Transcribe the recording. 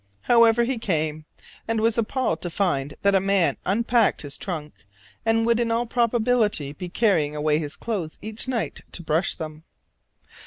However, he came; and was appalled to find that a man unpacked his trunk, and would in all probability be carrying away his clothes each night to brush them.